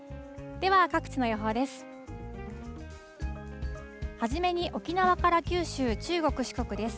では、各地の予報です。